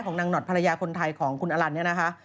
นางหนอดภรรยาคนไทยของคุณอลันเนี่ยนะคะ